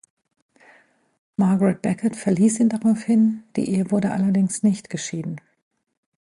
Margaret Beckett verließ ihn daraufhin, die Ehe wurde allerdings nicht geschieden.